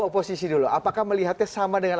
oposisi dulu apakah melihatnya sama dengan